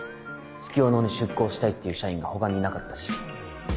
月夜野に出向したいっていう社員が他にいなかったし。